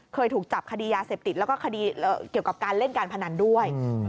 เคยถูกจับคดียาเสพติดแล้วก็คดีเกี่ยวกับการเล่นการพนันด้วย